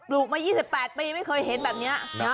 ลูกมา๒๘ปีไม่เคยเห็นแบบนี้